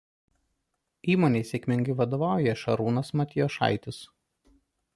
Įmonei sėkmingai vadovauja Šarūnas Matijošaitis.